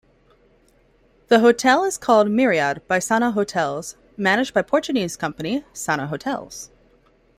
The hotel is called "Myriad by Sana Hotels", managed by Portuguese company Sana Hotels.